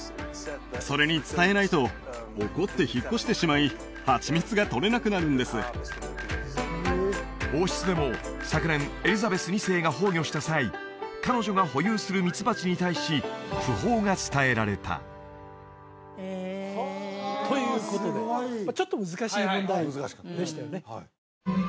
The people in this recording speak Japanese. それに伝えないと怒って引っ越してしまいハチミツがとれなくなるんです王室でも昨年エリザベス２世が崩御した際彼女が保有するミツバチに対し訃報が伝えられたということでちょっと難しい問題でしたよね